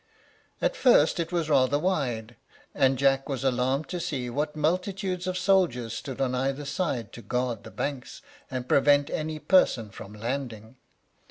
At first it was rather wide, and Jack was alarmed to see what multitudes of soldiers stood on either side to guard the banks, and prevent any person from landing.